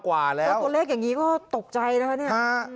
ว่าตัวเลขอย่างนี้ก็ตกใจนะคะ